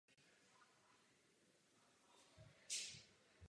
Koncem téhož roku hrad dobyla vojska polského krále Kazimíra.